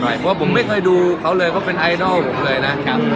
เพราะว่าผมไม่เคยดูเขาเลยเพราะเป็นไอดอลผมเลยนะครับ